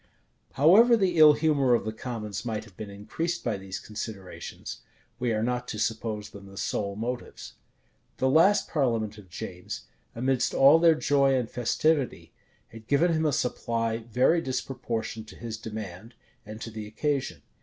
However the ill humor of the commons might have been increased by these considerations, we are not to suppose them the sole motives. The last parliament of James, amidst all their joy and festivity, had given him a supply very disproportioned to his demand, and to the occasion.